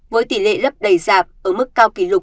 với tỷ lệ lấp đầy giảp ở mức cao kỳ